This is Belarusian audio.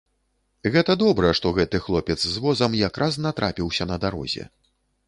Гэта добра, што гэты хлопец з возам якраз натрапіўся на дарозе.